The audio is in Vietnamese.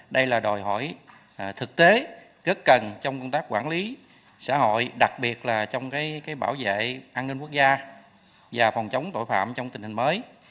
đây là đòi hỏi thực tế rất cần trong công tác quản lý xã hội đặc biệt là trong bảo vệ an ninh quốc gia và phòng chống tội phạm trong tình hình mới